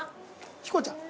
ヒコちゃん。